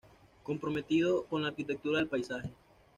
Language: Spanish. Comprometido con la Arquitectura del Paisaje.